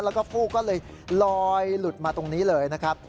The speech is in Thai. แล้วก็ฟูกก็เลยลอยหลุดมาตรงนี้เลยนะครับ